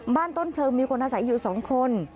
บ้านต้นเพลิงมีคนอาจารย์อยู่สองคน